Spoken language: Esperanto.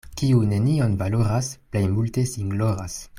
Kiu nenion valoras, plej multe sin gloras.